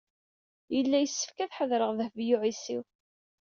Yella yessefk ad ḥadreɣ Dehbiya u Ɛisiw.